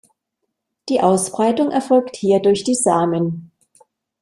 Die Ausbreitung erfolgt hier durch die Samen.